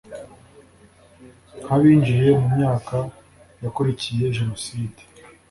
nk’abinjiye mu myaka yakurikiye Jenoside